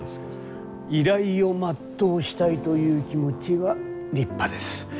依頼を全うしたいという気持ちは立派です。